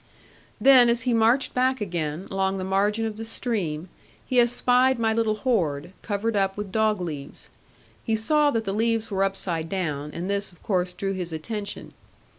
Then as he marched back again, along the margin of the stream, he espied my little hoard, covered up with dog leaves. He saw that the leaves were upside down, and this of course drew his attention.